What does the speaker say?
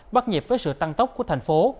bắt nhịp với sự tăng tốc của thành phố